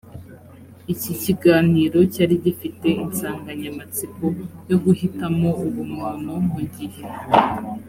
iki kiganiro cyari gifite insanganyamatsiko yo guhitamo ubumuntu mugihe